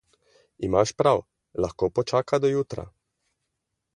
Imaš prav, lahko počaka do jutra.